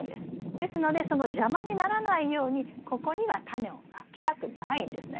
ですのでその邪魔にならないようにここにはタネをまきたくないんですね。